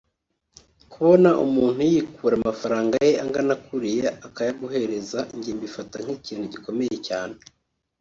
Kubona umuntu yikura amafaranga ye angana kuriya akayaguhereza njye mbifata nk’ikintu gikomeye cyane